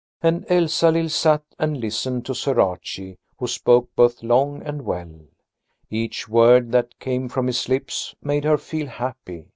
And Elsalill sat and listened to Sir Archie, who spoke both long and well. Each word that came from his lips made her feel happy.